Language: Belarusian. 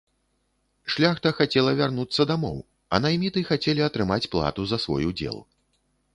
Шляхта хацела вярнуцца дамоў, а найміты хацелі атрымаць плату за свой удзел.